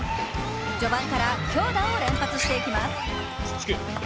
序盤から強打を連発していきます。